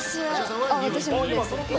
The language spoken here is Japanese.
私も２です。